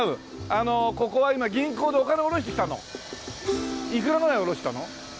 あのここは今銀行でお金おろしてきたの？いくらぐらいおろしたの？